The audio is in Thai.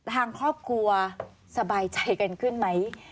ทางครอบครัวสบายใจกันขึ้นไหม